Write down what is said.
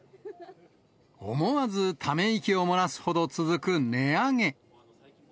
思わずため息を漏らすほど続く値上げ。